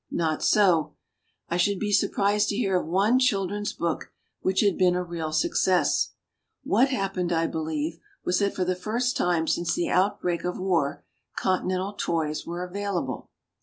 Not so. I should be surprised to hear of one children's book which had been a real success. What happened, I believe, was that for the first time since the outbreak of war continental toys were available.